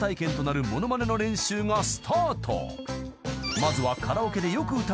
［まずは］